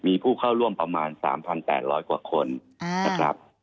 มีผู้เข้าร่วมประมาณ๓๘๐๐กว่าคนนะครับ